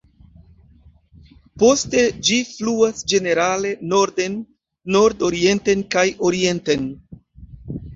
Poste ĝi fluas ĝenerale norden, nord-orienten kaj orienten.